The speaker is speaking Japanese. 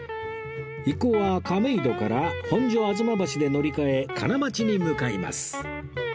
一行は亀戸から本所吾妻橋で乗り換え金町に向かいます